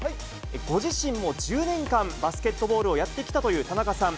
ご自身も１０年間、バスケットボールをやってきたという田中さん。